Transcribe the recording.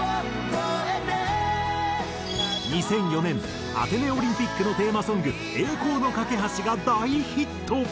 ２００４年アテネオリンピックのテーマソング『栄光の架橋』が大ヒット。